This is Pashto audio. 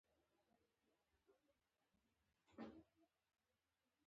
موږ د ښوونځیو پرانیستو هیله لرو.